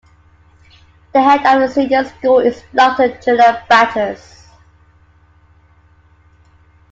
The Head of the Senior School is Doctor Julia Batters.